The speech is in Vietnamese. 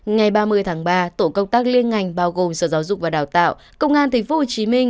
ngày ba mươi tháng ba tổ công tác liên ngành bao gồm sở giáo dục và đào tạo công an tp hcm